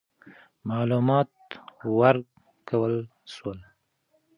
معلومات ورکول سول.